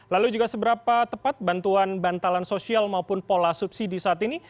lalu juga seberapa tepat bantuan bantalan sosial maupun pola subsidi saat ini